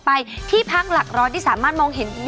ไปที่พักหลักร้อยที่สามารถมองเห็น